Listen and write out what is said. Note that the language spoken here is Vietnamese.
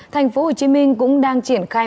thành phố hồ chí minh cũng đang triển khai